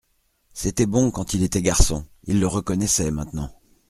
C'était bon quand il était garçon ! Il le reconnaissait maintenant.